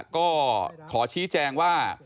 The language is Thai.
ก็ขอชี้แจงว่า